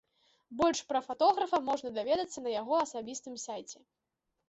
Больш пра фатографа можна даведацца на яго асабістым сайце.